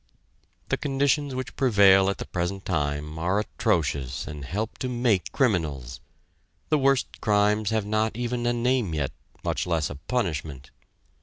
The conditions which prevail at the present time are atrocious and help to make criminals. The worst crimes have not even a name yet, much less a punishment.